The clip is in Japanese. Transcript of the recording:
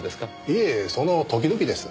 いえその時々です。